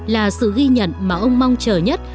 là sự ghi nhận mà ông mong chờ nhất